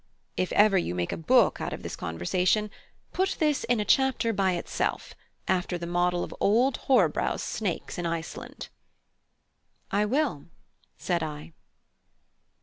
If ever you make a book out of this conversation, put this in a chapter by itself, after the model of old Horrebow's Snakes in Iceland." "I will," said I.